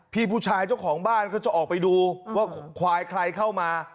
พี่ผู้ชายเจ้าของบ้านก็จะออกไปดูว่าควายใครเข้ามา